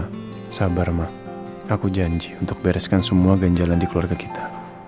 aku sabar aku janji untuk bereskan semua ganjalan di keluarga kita